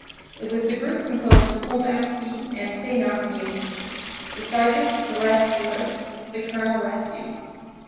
It was the group composed of Pontmercy and Thénardier; the sergeant the rescuer, the colonel rescued.